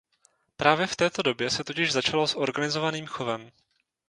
Právě v této době se totiž začalo s organizovaným chovem.